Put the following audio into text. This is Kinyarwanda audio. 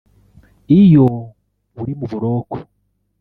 “Iyo uri mu buroko